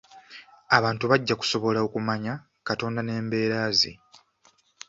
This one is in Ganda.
Abantu bajja kusobola okumanya Katonda n'embeera ze.